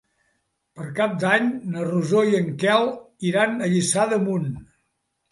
Per Cap d'Any na Rosó i en Quel iran a Lliçà d'Amunt.